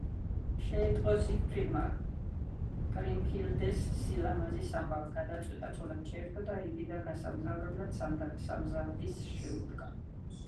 შეიტყო ზიგფრიდმა კრიმჰილდეს სილამაზის ამბავი, გადაწყვიტა, ცოლად შეერთო იგი და გასამგზავრებლად სამზადისს შეუდგა.